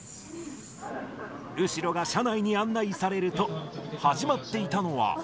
後呂が車内に案内されると、始まっていたのは。